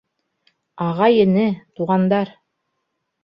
— Ағай-эне, туғандар!